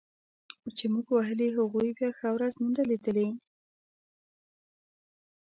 چي موږ وهلي هغوی بیا ښه ورځ نه ده لیدلې